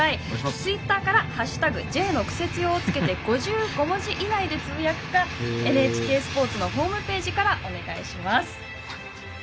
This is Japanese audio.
ツイッターから「＃Ｊのクセつよ」を付けて５５文字以内でつぶやくか、ＮＨＫスポーツのホームページからお願いします。